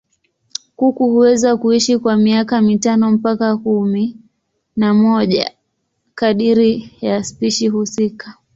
Kuku huweza kuishi kwa miaka mitano mpaka kumi na moja kadiri ya spishi husika.